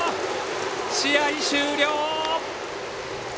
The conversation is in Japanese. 試合終了！